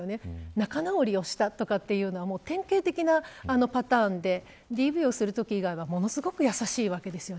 仲直りをしたというのは典型的なパターンでＤＶをするとき以外はものすごく優しいわけです。